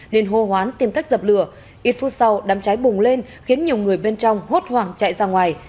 nên hô hoán tìm cách dập lửa ít phút sau đám cháy bùng lên khiến nhiều người bên trong hốt hoảng chạy ra ngoài